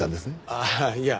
ああいや。